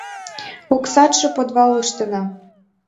— Оксатше подвалыштына.